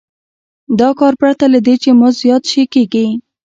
دا کار پرته له دې چې مزد زیات شي کېږي